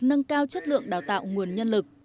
nâng cao chất lượng đào tạo nguồn nhân lực